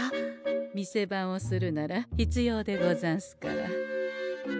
店番をするなら必要でござんすから。